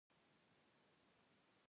د لیتیم او فلورین د ایونونو جوړښت رسم کړئ.